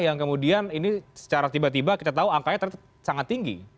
yang kemudian ini secara tiba tiba kita tahu angkanya sangat tinggi